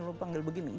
lo panggil begini